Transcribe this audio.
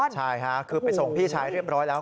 ใช่ค่ะคือไปส่งพี่ชายเรียบร้อยแล้ว